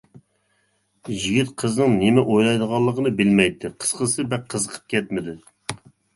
يىگىت قىزنىڭ نېمە ئويلايدىغانلىقىنى بىلمەيتتى، قىسقىسى بەك قىزىقىپ كەتمىدى.